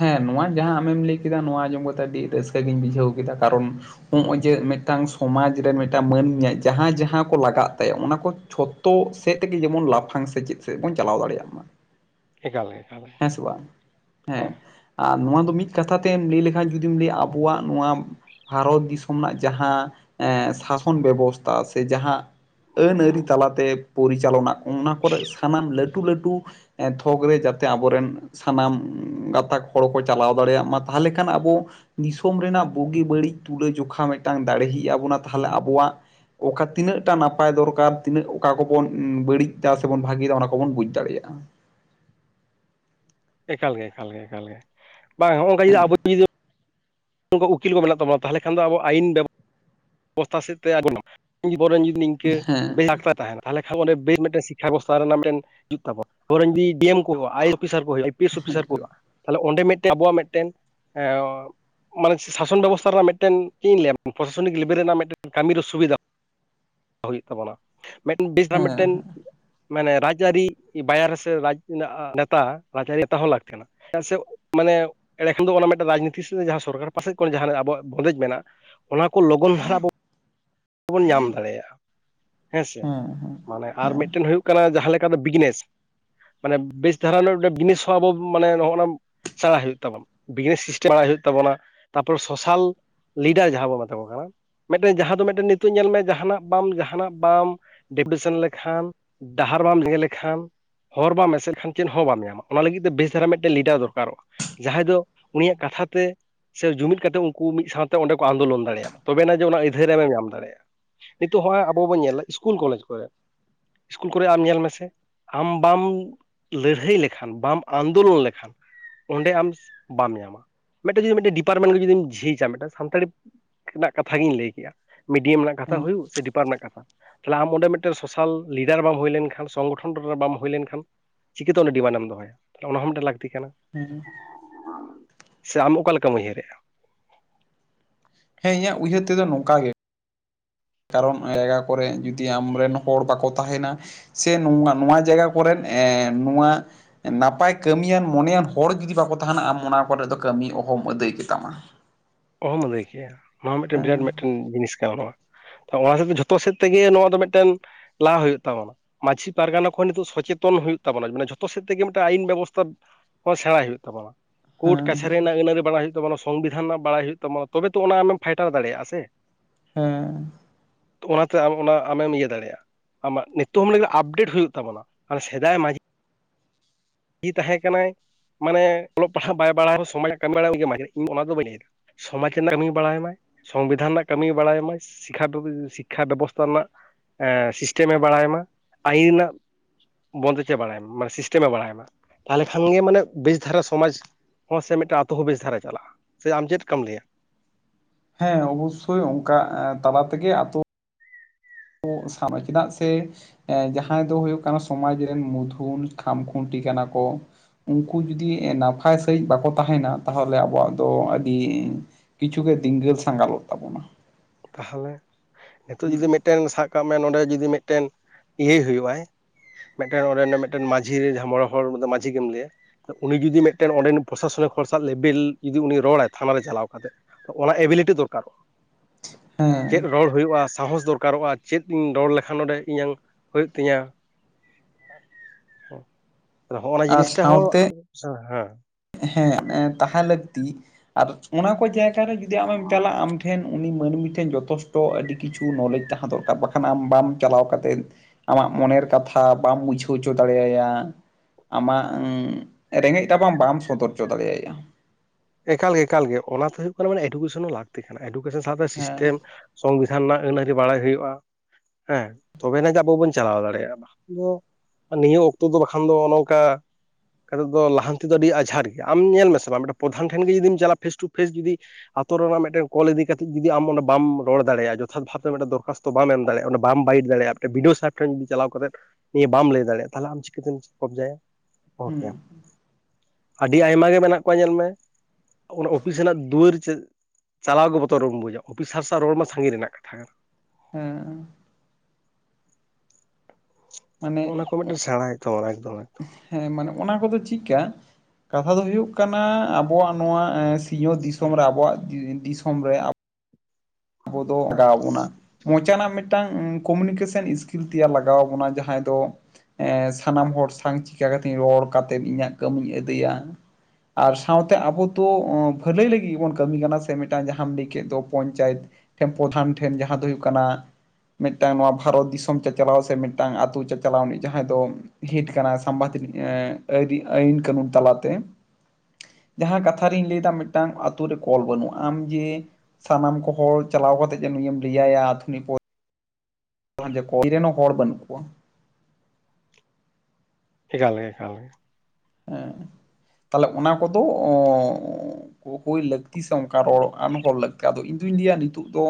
ᱦᱮᱸ ᱱᱚᱣᱟ ᱡᱟᱦᱟᱸ ᱟᱢᱮᱢ ᱞᱟᱹᱭ ᱠᱮᱫᱟ ᱱᱚᱣᱟ ᱟᱸᱡᱚᱢ ᱠᱟᱛᱮᱜ ᱟᱹᱰᱤ ᱨᱟᱹᱥᱠᱟᱹ ᱜᱤᱧ ᱵᱩᱡᱷᱟᱹᱣ ᱠᱮᱫᱟ᱾ ᱠᱟᱨᱚᱱ ᱱᱚᱜᱼᱚᱭ ᱡᱮ ᱢᱤᱫᱴᱟᱝ ᱥᱚᱢᱟᱡᱽ ᱨᱮᱱ ᱢᱤᱫᱴᱟᱱ ᱢᱟᱹᱱᱭᱟᱹ ᱡᱟᱦᱟᱸ ᱡᱟᱦᱟᱸ ᱠᱚ ᱞᱟᱜᱟᱜ ᱛᱟᱭᱟ ᱚᱱᱟ ᱠᱚ ᱡᱷᱚᱛᱚ ᱥᱮᱫ ᱛᱮᱜᱮ ᱡᱮᱢᱚᱱ ᱞᱟᱯᱷᱟᱝ ᱥᱮ ᱪᱮᱫ ᱥᱮᱫ ᱵᱚᱱ ᱪᱟᱞᱟᱣ ᱫᱟᱲᱮᱭᱟᱜ ᱢᱟ᱾ ᱮᱠᱟᱞᱮᱜᱮ ᱮᱠᱟᱞᱮᱜᱮ ᱦᱮᱸᱥᱮ ᱵᱟᱝ ᱦᱮᱸ, ᱟᱨ ᱱᱚᱣᱟ ᱫᱚ ᱢᱤᱫ ᱠᱟᱛᱷᱟ ᱛᱮᱢ ᱞᱟᱹᱭ ᱞᱮᱠᱷᱟᱱ ᱡᱩᱫᱤᱢ ᱞᱟᱹᱭᱟ ᱟᱵᱚᱣᱟᱜ ᱱᱚᱣᱟ ᱵᱷᱟᱨᱚᱛ ᱫᱤᱥᱚᱢ ᱨᱮᱱᱟᱜ ᱡᱟᱦᱟᱸ ᱮ ᱥᱟᱥᱚᱱ ᱵᱮᱵᱚᱥᱛᱟ ᱥᱮ ᱡᱟᱦᱟᱸ ᱟᱹᱱ ᱟᱹᱨᱤ ᱛᱟᱞᱟᱛᱮ ᱯᱚᱨᱤᱪᱟᱞᱚᱱᱟ ᱚᱱᱟ ᱠᱚᱨᱮᱜ ᱥᱟᱱᱟᱢ ᱞᱟᱹᱴᱩ ᱞᱟᱹᱴᱩ ᱛᱷᱚᱜ ᱨᱮ ᱡᱟᱛᱮ ᱟᱵᱚᱨᱮᱱ ᱥᱟᱱᱟᱢ ᱜᱟᱛᱟᱠ ᱦᱚᱲ ᱠᱚ ᱪᱟᱞᱟᱣ ᱫᱟᱲᱮᱭᱟᱜ ᱢᱟ ᱛᱟᱦᱚᱞᱮ ᱠᱷᱟᱱ ᱟᱵᱚ ᱫᱤᱥᱚᱢ ᱨᱮᱱᱟᱜ ᱵᱩᱜᱤ ᱵᱟᱹᱲᱤᱡ ᱛᱩᱞᱟᱹᱡᱚᱠᱷᱟ ᱢᱤᱫᱴᱟᱝ ᱫᱟᱲᱮ ᱦᱤᱡ ᱟᱵᱚᱱᱟ ᱛᱟᱦᱚᱞᱮ ᱟᱵᱚᱣᱟᱜ ᱚᱠᱟ ᱛᱤᱱᱟᱹᱜ ᱴᱟ ᱱᱟᱯᱟᱭ ᱫᱚᱨᱠᱟᱨ ᱛᱤᱱᱟᱹᱜ ᱚᱠᱟ ᱠᱚᱵᱚᱱ ᱵᱟᱹᱲᱤᱡ ᱫᱟ ᱥᱮᱵᱚᱱ ᱵᱷᱟᱜᱤᱭᱮᱫᱟ ᱚᱱᱟ ᱠᱚᱵᱚᱱ ᱵᱩᱡᱽ ᱫᱟᱲᱮᱭᱟᱜᱼᱟ᱾ ᱮᱠᱟᱞᱜᱮ ᱮᱠᱟᱞᱜ ᱮᱠᱟᱞᱜᱮ ᱵᱟᱝ ᱦᱚᱸᱜᱼᱚᱠᱟ ᱡᱩᱫᱤ ᱦᱮᱸ ᱟᱵᱚ ᱡᱩᱫᱤ ᱩᱠᱤᱞ ᱠᱚ ᱵᱮᱱᱟᱜ ᱛᱟᱵᱚᱱᱟ ᱛᱟᱦᱚᱞᱮ ᱠᱷᱟᱱ ᱫᱚ ᱟᱵᱚ ᱟᱹᱭᱤᱱ ᱵᱮᱵᱚᱥᱛᱟ ᱥᱮᱫᱛᱮ ᱦᱮᱸ [unintelligible] [unintelligible] ᱛᱟᱦᱮᱱᱟ ᱛᱟᱦᱚᱞᱮ ᱠᱷᱟᱱ ᱚᱸᱰᱮ [unintelligible] ᱢᱤᱫᱴᱮᱱ ᱥᱤᱠᱠᱷᱟ ᱵᱮᱵᱚᱥᱛᱟᱷᱟ ᱨᱮᱱᱟᱜ ᱢᱤᱫᱴᱮᱱ ᱦᱤᱡᱩᱜ ᱛᱟᱵᱚᱱ ᱟᱵᱚᱨᱮᱱ ᱡᱩᱫᱤ ᱰᱤᱼᱮᱢ ᱠᱚ ᱟᱭ ᱚᱯᱷᱤᱥᱟᱨ ᱠᱚ ᱦᱩᱭᱩᱜᱼᱟ [unintelligible] ᱚᱯᱷᱤᱥᱟᱨ ᱠᱚ ᱦᱩᱭᱩᱜᱼᱟ ᱛᱟᱦᱚᱞᱮ ᱚᱸᱰᱮ ᱢᱤᱫᱴᱮᱱ ᱟᱵᱚᱣᱟᱜ ᱢᱤᱫᱴᱮᱱ ᱢᱟᱱᱮ ᱥᱟᱥᱚᱱ ᱵᱮᱵᱚᱥᱛᱟ ᱨᱮᱱᱟᱜ ᱢᱤᱫᱴᱮᱱ ᱪᱮᱫ ᱤᱧ ᱞᱟᱹᱭᱟ ᱯᱨᱚᱥᱟᱥᱚᱱᱤᱠ ᱞᱮᱵᱮᱞ ᱨᱮᱱᱟᱜ ᱢᱤᱫᱴᱮᱱ ᱠᱟᱹᱢᱤᱨᱮ ᱥᱩᱵᱤᱫᱷᱟ ᱦᱩᱭᱩᱜ ᱛᱟᱵᱚᱱᱟ ᱢᱤᱫᱴᱮᱱ ᱵᱮᱥ ᱫᱷᱟᱣ ᱦᱮᱸ ᱢᱤᱫᱴᱮᱱ ᱢᱟᱱᱮ ᱨᱟᱡᱽᱟᱹᱨᱤ ᱵᱟᱭᱟᱨ ᱨᱮ ᱥᱮ ᱨᱟᱡᱽ ᱨᱮᱱᱟᱜ ᱱᱮᱛᱟ ᱨᱟᱡᱽᱟᱹᱨᱤ ᱱᱮᱛᱟ ᱦᱚᱸ ᱞᱟᱹᱠ ᱠᱟᱱᱟ ᱪᱮᱫᱟᱜ ᱥᱮ ᱢᱟᱱᱮ ᱮᱸᱲᱮᱠᱷᱟᱱ ᱫᱚ ᱚᱱᱟ ᱢᱤᱫᱴᱮᱱ ᱨᱟᱡᱽᱱᱤᱛᱤ ᱥᱮ ᱡᱟᱦᱟᱸ ᱥᱚᱨᱠᱟᱨ ᱯᱟᱥᱮᱡ ᱠᱷᱚᱱ ᱡᱟᱦᱟᱸᱱᱟᱜ ᱟᱵᱚᱣᱟᱜ ᱵᱚᱱᱫᱮᱡᱽ ᱢᱮᱱᱟᱜᱼᱟ ᱚᱱᱟ ᱠᱚ ᱞᱚᱜᱚᱱ ᱫᱷᱟᱨᱟ ᱟᱵᱚ ᱵᱚᱱ ᱧᱟᱢ ᱫᱟᱲᱮᱭᱟᱜᱼᱟ ᱦᱮᱸ ᱥᱮ ᱦᱮᱸ ᱢᱟᱱᱮ ᱟᱨ ᱦᱮᱸ ᱢᱤᱫᱴᱮᱱ ᱦᱩᱭᱩᱜ ᱠᱟᱱᱟ ᱡᱟᱦᱟᱸ ᱞᱮᱠᱟ ᱫᱚ ᱵᱤᱡᱜᱽᱱᱮᱥ ᱢᱟᱱᱮ ᱵᱮᱥ ᱫᱷᱟᱨᱟ ᱨᱮᱱᱟᱜ ᱢᱤᱫᱴᱮᱱ ᱵᱤᱡᱮᱥ ᱦᱚᱸ ᱟᱵᱚ ᱢᱟᱱᱮ ᱱᱚᱜᱼᱚᱱᱟ ᱥᱮᱬᱟᱭ ᱦᱩᱭᱩᱜ ᱛᱟᱵᱚᱱ ᱵᱤᱡᱽᱱᱮᱥ ᱥᱤᱥᱴᱮᱢ ᱵᱟᱲᱟᱭ ᱦᱩᱭᱩᱜ ᱛᱟᱵᱚᱱᱟ ᱛᱟᱨᱯᱚᱨᱮ ᱥᱳᱥᱟᱞ ᱞᱤᱰᱟᱨ ᱡᱟᱦᱟᱸ ᱵᱚᱱ ᱢᱮᱛᱟ ᱠᱚ ᱠᱟᱱᱟ᱾ ᱢᱤᱫᱴᱮᱱ ᱡᱟᱦᱟᱸ ᱫᱚ ᱢᱤᱫᱴᱮᱱ ᱱᱤᱛᱚᱜ ᱧᱮᱞ ᱢᱮ ᱡᱟᱦᱟᱱᱟᱜ ᱵᱟᱢ ᱡᱟᱦᱟᱱᱟᱜ ᱵᱟᱢ ᱰᱮᱯᱩᱴᱮᱥᱮᱱ ᱞᱮᱠᱷᱟᱱ ᱰᱟᱦᱟᱨ ᱵᱟᱢ ᱡᱟᱸᱜᱮ ᱞᱮᱠᱷᱟᱱ ᱦᱚᱨ ᱵᱟᱢ ᱢᱮᱥᱮᱫ ᱞᱮᱠᱷᱟᱱ ᱪᱮᱫ ᱦᱚᱸ ᱵᱟᱢ ᱧᱟᱢᱟ ᱚᱱᱟ ᱞᱟᱹᱜᱤᱫ ᱛᱮ ᱵᱮᱥ ᱫᱷᱟᱨᱟ ᱢᱤᱫᱴᱮᱱ ᱞᱤᱰᱟᱨ ᱫᱚᱨᱠᱟᱨᱚᱜ ᱡᱟᱦᱟᱸᱭ ᱫᱚ ᱩᱱᱤᱭᱟᱜ ᱠᱟᱛᱷᱟ ᱛᱮ ᱥᱮ ᱡᱩᱢᱤᱫ ᱠᱟᱛᱮ ᱩᱱᱠᱩ ᱢᱤᱫ ᱥᱟᱶᱛᱮ ᱚᱸᱰᱮ ᱠᱚ ᱟᱱᱫᱚᱞᱚᱱ ᱫᱟᱲᱮᱭᱟᱜ ᱢᱟ ᱛᱚᱵᱮᱱᱟ ᱡᱮ ᱚᱱᱟ ᱟᱹᱭᱷᱟᱹᱨᱮᱢ ᱧᱟᱢ ᱫᱟᱲᱮᱭᱟᱜᱼᱟ᱾ ᱱᱤᱛᱚᱜ ᱦᱚᱸᱜᱼᱚᱭ ᱟᱵᱚ ᱵᱚᱱ ᱧᱮᱞᱟ ᱤᱥᱠᱩᱞ ᱠᱚᱞᱮᱡᱽ ᱠᱚᱨᱮ ᱤᱥᱠᱩᱞ ᱠᱚᱨᱮ ᱟᱢ ᱧᱮᱞ ᱢᱮᱥᱮ ᱟᱢ ᱵᱟᱢ ᱞᱟᱹᱲᱦᱟᱹᱭ ᱞᱮᱠᱷᱟᱱ ᱵᱟᱢ ᱟᱱᱫᱳᱞᱚᱱ ᱞᱮᱠᱷᱟᱱ ᱚᱸᱰᱮ ᱟᱢ ᱵᱟᱢ ᱧᱟᱢᱟ ᱢᱤᱫᱴᱮᱱ ᱡᱩᱫᱤ ᱢᱤᱫᱴᱮᱱ ᱰᱤᱯᱟᱨᱢᱮᱱᱴ ᱡᱩᱫᱤᱢ ᱡᱷᱤᱡᱟ ᱢᱤᱫᱴᱟᱱ ᱥᱟᱱᱛᱟᱲᱤ ᱨᱮᱱᱟᱜ ᱠᱟᱛᱷᱟ ᱜᱤᱧ ᱞᱟᱹᱭ ᱠᱮᱜᱼᱟ ᱢᱤᱰᱤᱭᱟᱢ ᱨᱮᱱᱟᱜ ᱠᱟᱛᱷᱟ ᱦᱩᱸ ᱦᱩᱭᱩᱜ ᱥᱮ ᱰᱤᱯᱟᱨᱢᱮᱱᱴ ᱨᱮᱱᱟᱜ ᱠᱟᱛᱷᱟ ᱛᱟᱦᱚᱞᱮ ᱟᱢ ᱚᱸᱰᱮ ᱢᱤᱫᱴᱮᱱ ᱥᱳᱥᱟᱞ ᱞᱤᱰᱟᱨ ᱵᱟᱢ ᱦᱩᱭ ᱞᱮᱱᱠᱷᱟᱱ ᱥᱚᱝᱜᱚᱴᱷᱚᱱ ᱵᱟᱢ ᱦᱩᱭ ᱞᱮᱱᱠᱷᱟᱱ ᱪᱤᱠᱟᱹᱛᱮ ᱚᱱᱰᱮ ᱰᱤᱢᱟᱱᱰᱮᱢ ᱫᱚᱦᱚᱭᱟ ᱛᱟᱦᱚᱞᱮ ᱚᱱᱟ ᱦᱚᱸ ᱢᱤᱫᱴᱟᱝ ᱞᱟᱹᱠᱛᱤ ᱠᱟᱱᱟ᱾ ᱦᱩᱸ ᱥᱮ ᱟᱢ ᱚᱠᱟᱞᱮᱠᱟᱢ ᱩᱭᱦᱟᱹᱨᱮᱜᱼᱟ ᱦᱮᱸ ᱤᱧᱟᱹᱜ ᱩᱭᱦᱟᱹᱨ ᱛᱮᱫᱚ ᱱᱚᱝᱠᱟ ᱜᱮ ᱠᱟᱨᱚᱱ ᱡᱟᱭᱜᱟ ᱠᱚᱨᱮ ᱡᱩᱫᱤ ᱟᱢᱨᱮᱱ ᱦᱚᱲ ᱵᱟᱠᱚ ᱛᱟᱦᱮᱱᱟ ᱥᱮ ᱱᱚᱣᱟ ᱱᱚᱣᱟ ᱡᱟᱭᱜᱟ ᱠᱚᱨᱮᱫ ᱮ ᱱᱚᱣᱟ ᱱᱟᱯᱟᱭ ᱠᱟᱹᱢᱤᱭᱟᱱ ᱢᱚᱱᱮᱭᱱ ᱦᱚᱲ ᱡᱩᱫᱤ ᱵᱟᱠᱚ ᱛᱟᱦᱮᱱᱟ ᱟᱢ ᱚᱱᱟ ᱠᱚᱨᱮ ᱫᱚ ᱠᱟᱹᱢᱤ ᱚᱦᱚᱢ ᱟᱹᱫᱟᱹᱭ ᱠᱮᱛᱟᱢᱟ᱾ ᱚᱦᱚᱢ ᱟᱹᱫᱟᱹᱭ ᱠᱮᱭᱟ ᱱᱚᱣᱟ ᱢᱤᱫᱴᱮᱱ ᱵᱮᱨ ᱦᱮᱸ ᱢᱤᱫᱴᱮᱱ ᱡᱤᱱᱤᱥ ᱠᱟᱱᱟ ᱱᱚᱣᱟ ᱚᱱᱟ ᱥᱮᱫ ᱛᱮ ᱡᱷᱚᱛᱚ ᱥᱮᱫ ᱛᱮᱜᱮ ᱱᱚᱣᱟ ᱫᱚ ᱢᱤᱫᱴᱮᱱ ᱞᱟᱦᱟᱜ ᱦᱩᱭᱩᱜ ᱛᱟᱵᱚᱱᱟ ᱢᱟᱺᱡᱷᱤ ᱯᱟᱨᱜᱟᱱᱟ ᱠᱷᱚᱱ ᱱᱤᱛᱳᱜ ᱥᱚᱪᱮᱛᱚᱱ ᱦᱩᱭᱩᱜ ᱛᱟᱵᱚᱱᱟ ᱢᱟᱱᱮ ᱡᱷᱚᱛᱚ ᱥᱮᱫ ᱛᱮᱜᱮ ᱢᱤᱫᱴᱮᱱ ᱟᱹ ᱟᱭᱤᱱ ᱵᱮᱵᱚᱥᱛᱷᱟ ᱥᱮᱬᱟᱭ ᱦᱩᱭᱩᱜ ᱛᱟᱵᱚᱱᱟ, ᱠᱳᱨᱴ ᱦᱮᱸ ᱠᱟᱪᱷᱟᱨᱤ ᱨᱮᱱᱟᱜ ᱟᱹᱱ ᱟᱹᱨᱤ ᱵᱟᱲᱟᱭ ᱦᱩᱭᱩᱜ ᱛᱟᱵᱚᱱᱟ ᱥᱚᱝᱵᱤᱫᱷᱟᱱ ᱨᱮᱱᱟᱜ ᱵᱟᱲᱟᱭ ᱦᱩᱭᱩᱜ ᱛᱟᱢᱟ ᱛᱚᱵᱮ ᱛᱚ ᱚᱱᱟ ᱟᱢᱮᱢ ᱯᱷᱟᱭᱴᱟᱨ ᱫᱟᱲᱮᱭᱟᱜᱼᱟ ᱥᱮ ᱦᱮᱸ ᱛᱚ ᱚᱱᱟᱛᱮ ᱟᱢ ᱚᱱᱟ ᱟᱢᱮᱢ ᱤᱭᱟᱹ ᱫᱟᱲᱮᱭᱟᱜᱼᱟ᱾ ᱟᱢᱟᱜ ᱱᱤᱛᱚᱜ ᱦᱚᱸ ᱞᱟᱹᱜᱤᱫ ᱟᱯᱰᱮᱴ ᱦᱩᱭᱩᱜ ᱛᱟᱵᱚᱱᱟ ᱢᱟᱱᱮ ᱥᱮᱫᱟᱭ ᱢᱟᱺᱡᱷᱤ ᱛᱟᱦᱮᱸ ᱠᱟᱱᱟᱭ ᱢᱟᱱᱮ ᱚᱞᱚᱜ ᱯᱟᱲᱦᱟᱜ ᱵᱟᱭ ᱵᱟᱲᱟᱭ ᱥᱚᱢᱟᱡᱽ ᱠᱟᱹᱢᱤ ᱵᱟᱲᱟᱜᱮ ᱤᱧ ᱚᱱᱟ ᱫᱚ ᱵᱟᱹᱧ ᱞᱟᱹᱭᱫᱟ ᱥᱚᱢᱟᱡᱽ ᱨᱮᱭᱟᱜ ᱠᱟᱹᱢᱤ ᱵᱟᱲᱟᱭ ᱢᱟᱭ ᱥᱚᱝᱵᱤᱫᱷᱟᱱ ᱨᱮᱱᱟᱜ ᱠᱟᱹᱢᱤ ᱵᱟᱲᱟᱭ ᱢᱟᱭ ᱥᱤᱠ ᱥᱤᱠᱠᱷᱟ ᱵᱮᱵᱚᱥᱛᱷᱟ ᱨᱮᱱᱟᱜ ᱥᱤᱥᱴᱮᱢᱮ ᱵᱟᱲᱟᱭ ᱢᱟ ᱟᱹᱤᱱ ᱨᱮᱱᱟᱜ ᱵᱚᱱᱫᱮᱡ ᱮ ᱵᱟᱲᱟᱭ ᱢᱟ, ᱢᱟᱱᱮ ᱥᱤᱥᱴᱮᱢᱮ ᱵᱟᱲᱟᱭ ᱢᱟ ᱛᱟᱦᱚᱞᱮ ᱠᱷᱟᱱ ᱜᱮ ᱢᱟᱱᱮ ᱵᱮᱥ ᱫᱷᱟᱨᱟ ᱥᱚᱢᱟᱡᱽ ᱦᱚᱸ ᱥᱮ ᱢᱤᱫᱴᱟᱱ ᱟᱛᱳ ᱦᱚᱸ ᱵᱮᱥ ᱫᱷᱟᱨᱟ ᱪᱟᱞᱟᱜᱼᱟ ᱥᱮ ᱟᱢ ᱪᱮᱫ ᱞᱮᱠᱟᱢ ᱞᱟᱹᱭᱟ? ᱦᱮᱸ ᱚᱵᱚᱥᱥᱳᱭ ᱚᱱᱠᱟ ᱛᱟᱞᱟ ᱛᱮᱜ ᱟᱛᱳ [unintelligible] ᱥᱟᱵ ᱪᱮᱫᱟᱜ ᱥᱮ ᱮ ᱡᱟᱦᱟᱸᱭ ᱫᱚ ᱦᱩᱭᱩᱜ ᱠᱟᱱᱟ ᱥᱚᱢᱟᱡᱽ ᱨᱮᱱ ᱢᱩᱫᱷᱩᱱ ᱠᱷᱟᱢᱠᱷᱩᱱᱴᱤ ᱠᱟᱱᱟ ᱠᱚ ᱩᱱᱠᱩ ᱡᱩᱫᱤ ᱱᱟᱯᱟᱭ ᱥᱟᱺᱦᱤᱡ ᱵᱟᱠᱚ ᱛᱟᱦᱮᱱᱟ ᱛᱟᱦᱞᱮ ᱟᱵᱚᱣᱟᱜ ᱫᱚ ᱟᱹᱰᱤ ᱠᱤᱪᱷᱩ ᱜᱮ ᱫᱤᱸᱜᱟᱹᱞ ᱥᱟᱸᱜᱟᱞᱚᱜ ᱛᱟᱵᱚᱱᱟ ᱾ ᱛᱟᱦᱚᱞᱮ ᱱᱤᱛᱚᱜ ᱡᱩᱫᱤ ᱢᱤᱫᱴᱮᱱ ᱥᱟᱵ ᱠᱟᱜ ᱢᱮ ᱱᱚᱰᱮ ᱡᱩᱫᱤ ᱢᱤᱫᱴᱮᱱ ᱤᱭᱟᱹᱭ ᱦᱩᱭᱩᱜ ᱟᱭ ᱢᱤᱫᱴᱮᱱ ᱚᱱᱰᱮᱱᱟᱜ ᱢᱤᱫᱴᱮᱱ ᱢᱟᱟᱹᱡᱷᱤ ᱡᱟᱦᱟᱸ ᱢᱚᱬᱮ ᱦᱚᱲ, ᱢᱟᱟᱹᱡᱷᱤ ᱜᱮᱢ ᱞᱟᱹᱭᱟ ᱾ ᱩᱱᱤ ᱡᱩᱫᱤ ᱢᱤᱫᱴᱮᱱ ᱚᱸᱰᱮᱱ ᱯᱨᱚᱥᱟᱥᱚᱱᱤᱠ ᱦᱚᱲ ᱥᱟᱶᱟᱜ ᱞᱮᱵᱮᱞ ᱡᱩᱫᱤ ᱩᱱᱤ ᱨᱚᱲᱟᱭ ᱛᱷᱟᱱᱟ ᱨᱮ ᱪᱟᱞᱟᱣ ᱠᱟᱛᱮᱫ ᱾ ᱚ ᱚᱱᱟ ᱮᱵᱤᱞᱤᱴᱤ ᱫᱚᱨᱠᱟᱨᱚᱜ-ᱟ ᱾ ᱪᱮᱫ ᱦᱮᱸ ᱨᱚᱲ ᱦᱩᱭᱩᱜᱼᱟ ᱥᱟᱦᱚᱥ ᱫᱚᱨᱠᱟᱨᱚᱜᱼᱟ ᱪᱮᱫ ᱤᱧ ᱨᱚᱲ ᱞᱮᱠᱷᱟᱱ ᱱᱚᱸᱰᱮ ᱤᱧᱟᱹᱜ ᱦᱩᱭᱩᱜ ᱛᱤᱧᱟᱹ ᱾ ᱦᱚᱸᱜᱼ ᱚᱱᱟ ᱟᱨ ᱡᱤᱱᱤᱥᱴᱟ ᱦᱚᱸ [unintelligible] ᱦᱮᱸ ᱛᱟᱦᱮᱸ ᱞᱟᱹᱠᱛᱤ, ᱟᱨ ᱚᱱᱟ ᱠᱚ ᱡᱟᱭᱜᱟ ᱨᱮ ᱡᱩᱫᱤ ᱟᱢᱮᱢ ᱪᱟᱞᱟᱜ ᱟᱢ ᱴᱷᱮᱱ ᱩᱱᱤ ᱢᱟᱹᱱᱢᱤ ᱴᱷᱮᱱ ᱡᱚᱛᱷᱮᱥᱴᱚ ᱟᱹᱰᱤ ᱠᱤᱪᱷᱩ ᱱᱚᱞᱮᱡᱽ ᱛᱟᱦᱮᱸ ᱫᱚᱨᱠᱟᱨ ᱵᱟᱠᱷᱟᱱ ᱟᱢ ᱵᱟᱢ ᱪᱟᱞᱟᱣ ᱠᱟᱛᱮᱫ ᱟᱢᱟᱜ ᱢᱚᱱᱮᱨ ᱠᱟᱛᱷᱟ ᱵᱟᱢ ᱵᱩᱡᱷᱟᱹᱣ ᱦᱚᱪᱚ ᱫᱟᱲᱮᱭ ᱟᱭᱟ ᱾ ᱟᱢᱟᱜ ᱨᱮᱸᱜᱮᱡ ᱛᱟᱵ ᱵᱟᱢ ᱥᱚᱫᱚᱨ ᱚᱪᱚ ᱫᱟᱲᱮᱣᱟᱭᱟ ᱾ ᱮᱠᱟᱞ ᱜᱮ ᱮᱠᱟᱞ ᱜᱮ ᱚᱱᱟᱛᱮ ᱦᱩᱭᱩᱜᱭᱜ ᱠᱟᱱᱟ ᱢᱟᱱᱮ ᱮᱰᱩᱠᱮᱥᱚᱱ ᱦᱚᱸ ᱞᱟᱹᱠᱛᱤ ᱠᱟᱱᱟ ᱮᱰᱩᱠᱮᱥᱚᱱ ᱥᱟᱶᱛᱮ ᱦᱮᱸ ᱥᱤᱥᱴᱮᱢ ᱥᱚᱝᱵᱤᱫᱷᱟᱱ ᱨᱮᱱᱟᱜ ᱟᱹᱱ-ᱟᱹᱨᱤ ᱵᱟᱲᱟᱭ ᱦᱩᱭᱩᱜᱼᱟ ᱾ ᱦᱮᱸ ᱛᱚᱵᱮᱱᱟᱜ ᱡᱮ ᱟᱵᱚ ᱵᱚᱱ ᱪᱟᱞᱟᱣ ᱫᱟᱲᱮᱭᱟᱜ-ᱟ ᱵᱟᱠᱤ ᱫᱚ ᱱᱤᱭᱟᱹ ᱚᱠᱛᱚ ᱫᱚ ᱵᱟᱠᱷᱟᱱ ᱫᱚ ᱚᱱᱮ ᱚᱝᱠᱟ ᱫᱚ ᱞᱟᱦᱟᱱᱛᱤ ᱫᱚ ᱟᱹᱰᱤ ᱟᱡᱷᱟᱨ ᱜᱮᱭᱟ ᱟᱢ ᱧᱮᱞ ᱢᱮᱥᱮ ᱵᱟᱝ ᱢᱮᱫᱴᱟ ᱯᱨᱚᱫᱷᱟᱱ ᱴᱷᱮᱱ ᱜᱮ ᱡᱩᱫᱤᱢ ᱪᱟᱞᱟᱜᱼᱟ ᱯᱷᱮᱥ ᱴᱩ ᱯᱷᱮᱥ ᱡᱩᱫᱤ ᱟᱛᱳ ᱨᱮᱱᱟᱜ ᱢᱤᱫᱴᱮᱱ ᱠᱚᱞ ᱤᱫᱤ ᱠᱟ ᱠᱟᱛᱮᱮᱫ ᱡᱩᱫᱤ ᱟᱢᱸ ᱵᱟᱢ ᱨᱚᱲ ᱫᱟᱲᱮᱭᱟᱜᱼᱟ ᱡᱚᱛᱷᱟᱛ ᱵᱷᱟᱵᱽ ᱛᱮ ᱢᱤᱫᱴᱟᱝ ᱫᱚᱨᱠᱟᱥ ᱛᱚ ᱵᱟᱢ ᱮᱢ ᱫᱟᱲᱮᱼᱟ ᱚᱱᱟ ᱵᱟᱢ ᱵᱟᱭᱤᱴ ᱫᱟᱲᱮᱜ-ᱟ ᱢᱮᱫᱴᱮᱡ ᱵᱤ ᱰᱤ ᱳ ᱥᱟᱨ ᱴᱷᱮᱱ ᱡᱩᱫᱤ ᱪᱟᱞᱟᱣ ᱠᱟᱛᱮᱫ ᱱᱤᱭᱟᱹ ᱵᱟᱢ ᱞᱟᱹᱭ ᱫᱟᱲᱮᱭᱟᱜᱼᱟ ᱛᱟᱦᱚᱞᱮ ᱟᱢ ᱪᱤᱠᱟᱹᱛᱮᱢ ᱠᱚᱯᱡᱟᱭᱟ? ᱚᱦᱚ ᱦᱩᱸ ᱠᱮᱭᱟᱢ, ᱟᱹᱰᱤ ᱟᱭᱢᱟ ᱜᱮ ᱢᱮᱱᱟᱜ ᱠᱚᱣᱟ ᱧᱮᱞ ᱢᱮ ᱚᱱᱟ ᱚᱯᱷᱤᱥ ᱨᱮᱱᱟᱜ ᱫᱩᱣᱟᱹᱨ ᱪ ᱪᱟᱞᱟᱣ ᱜᱮ ᱵᱚᱛᱚᱨᱵᱚᱱ ᱵᱩᱡᱟ ᱚᱯᱷᱤᱥ ᱥᱟᱨ ᱥᱟᱜ ᱨᱚᱲ ᱢᱟ ᱥᱟᱸᱜᱤᱧ ᱨᱮᱱᱟᱜ ᱠᱟᱛᱷᱟ ᱠᱟᱱᱟ ᱾ ᱦᱮᱸ ᱾ ᱚᱱᱟ ᱢᱟᱱᱮ ᱠᱚ ᱢᱤᱫᱴᱮᱱ ᱥᱮᱬᱟᱭ ᱦᱚᱭᱚ ᱛᱚᱢᱟ ᱮᱠᱫᱚᱢᱮ ᱾ ᱦᱮᱸ ᱢᱟᱱᱮ ᱚᱱᱟ ᱠᱚᱫᱚ ᱪᱮᱫᱠᱟ ᱠᱟᱛᱷᱟ ᱫᱚ ᱦᱩᱭᱩᱜ ᱠᱟᱱᱟ ᱟᱵᱚᱣᱟᱜ ᱱᱚᱣᱟ ᱮᱸ ᱥᱤᱧᱚᱛᱧ ᱫᱤᱥᱚᱢ ᱨᱮ ᱟᱵᱚᱣᱟᱜ ᱫᱤᱥᱚᱢ ᱨᱮ ᱟᱵᱚ ᱫᱚ ᱞᱟᱜᱟᱣ ᱵᱚᱱᱟ ᱢᱚᱪᱟ ᱱᱟᱜ ᱢᱮᱫ ᱴᱟᱝ ᱠᱚᱢᱤᱱᱤᱠᱮᱥᱚᱱ ᱥᱠᱤᱞ ᱛᱮᱭᱟᱨ ᱞᱟᱜᱟᱣ ᱵᱚᱱᱟ ᱡᱟᱦᱟᱸᱭ ᱫᱚ ᱮᱜ ᱥᱟᱱᱟᱢ ᱦᱚᱲ ᱥᱟᱶ ᱪᱤᱠᱟ ᱠᱟᱛᱮ ᱨᱚᱲ ᱠᱟᱛᱮᱜ ᱤᱧᱟᱹᱜ ᱠᱟᱹᱢᱤᱧ ᱟᱹᱫᱟᱹᱭᱟ ᱟᱨ ᱥᱟᱶᱛᱮ ᱟᱵᱚ ᱛᱚ ᱵᱷᱟᱹᱞᱟᱹᱭ ᱞᱟᱹᱜᱤᱫ ᱜᱮ ᱵᱚᱱ ᱠᱟᱹᱢᱤ ᱠᱟᱱᱟ ᱥᱮ ᱢᱤᱫᱴᱟᱱ ᱡᱟᱦᱟᱸᱢ ᱞᱟᱹᱭ ᱠᱮᱫ ᱫᱚ ᱯᱚᱧᱪᱟᱭᱮᱛ ᱴᱷᱮᱱ ᱯᱨᱚᱫᱷᱟᱱ ᱴᱷᱮᱱ ᱡᱟᱦᱟᱸ ᱫᱚ ᱦᱩᱭᱩᱜ ᱠᱟᱱᱟ ᱢᱤᱫᱴᱟᱝ ᱱᱚᱣᱟ ᱵᱷᱟᱨᱚᱛ ᱫᱤᱥᱚᱢ ᱪᱟᱪᱟᱞᱟᱣ ᱥᱮ ᱢᱤᱫᱴᱟᱝ ᱟᱛᱳ ᱪᱟᱪᱟᱞᱟᱣ ᱱᱤᱡ ᱡᱟᱦᱟᱸᱭ ᱫᱚ ᱦᱤᱴ ᱠᱟᱱᱟ ᱥᱟᱢᱵᱟᱫ ᱟᱹᱭᱤᱱ ᱠᱟᱹᱱᱩᱱ ᱛᱟᱞᱟᱛᱮ ᱾ ᱡᱟᱦᱟᱸ ᱠᱟᱛᱷᱟ ᱨᱤᱧ ᱞᱟᱹᱭᱫᱟ ᱢᱤᱫᱴᱟᱝ ᱛᱳ ᱨᱮ ᱠᱚᱞ ᱵᱟᱹᱱᱩᱜᱼᱟ ᱟᱢ ᱡᱮ ᱥᱟᱱᱟᱢ ᱠᱚ ᱦᱚᱲ ᱪᱟᱞᱟᱣ ᱠᱟᱛᱮᱜ ᱡᱮ ᱱᱩᱭᱮᱢ ᱞᱟᱹᱭᱟᱭᱟ ᱟᱛᱷᱩᱱᱤ ᱡᱮ ᱠᱚᱭ ᱨᱮᱱ ᱦᱚᱸ ᱦᱚᱲ ᱵᱟᱹᱱᱩᱜ ᱠᱚᱣᱟ ᱾ ᱮᱠᱟᱞ ᱜᱮ ᱮᱠᱟᱞ ᱜᱮ ᱾ ᱮᱸ, ᱛᱟᱦᱚᱞᱮ ᱚᱱᱟ ᱠᱚᱫᱚ ᱚᱻ ᱦᱩᱭ ᱞᱟᱹᱠᱛᱤ ᱥᱮ ᱚᱱᱠᱟ ᱨᱚᱲ ᱟᱱ ᱦᱚᱲ ᱞᱟᱹᱠᱛᱤ ᱟᱫᱚ ᱤᱧ ᱫᱩᱧ ᱞᱟᱹᱭᱟ ᱱᱤᱛᱚᱜ ᱫᱚ